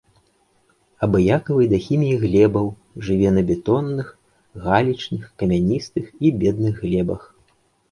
Абыякавы да хіміі глебаў, жыве на бетонных, галечных, камяністых і бедных глебах.